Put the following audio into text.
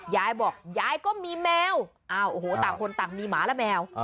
ยายบอกยายก็มีแมวโอ้โหต่างคนต่างมีหมาและแมว